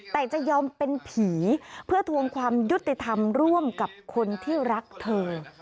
แต่จะยอมเป็นผีเพื่อทวงความยุติธรรมร่วมกับคนที่รักเธอ